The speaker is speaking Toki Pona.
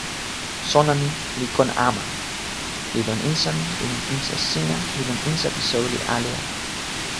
sona ni li kon Aman, li lon insa mi, li lon insa sina, li lon insa pi soweli ale a.